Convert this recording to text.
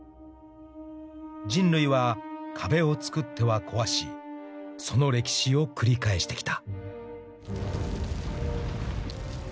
［人類は壁をつくっては壊しその歴史を繰り返してきた］